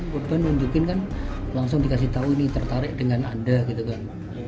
korban nunjukin kan langsung dikasih tahu ini tertarik dengan anda gitu kan